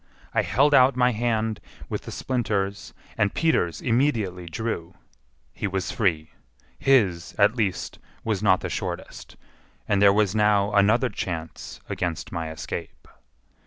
I held out my hand with the splinters, and Peters immediately drew. He was free—his, at least, was not the shortest; and there was now another chance against my escape.